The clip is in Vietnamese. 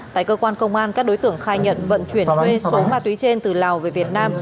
tại cơ quan công an các đối tượng khai nhận vận chuyển thuê số ma túy trên từ lào về việt nam